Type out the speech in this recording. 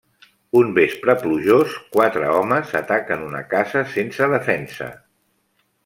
Un vespre plujós, quatre homes ataquen una casa sense defensa.